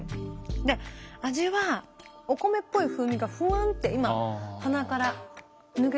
で味はお米っぽい風味がふわんって今鼻から抜けてきてます。